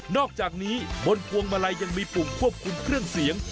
อกจากนี้บนพวงมาลัยยังมีปุ่มควบคุมเครื่องเสียง